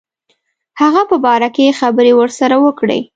هغه په باره کې خبري ورسره وکړي.